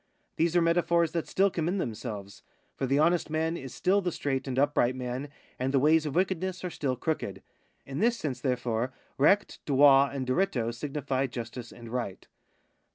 These are metaphors that still commend themselves ; for the honest man is still the straight and upright man, and the ways of wickedness are still crooked. In this sense, therefore, recht, droit, and diritto signify justice and right.